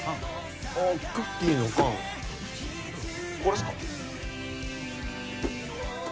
あっクッキーの缶これっすか？